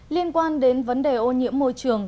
liên quan đến vấn đề ô nhiễm môi trường